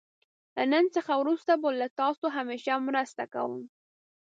له نن څخه وروسته به له تاسو همېشه مرسته کوم.